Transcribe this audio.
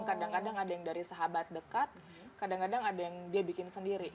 kadang kadang ada yang dari sahabat dekat kadang kadang ada yang dia bikin sendiri